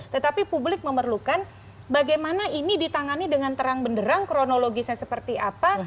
tetapi publik memerlukan bagaimana ini ditangani dengan terang benderang kronologisnya seperti apa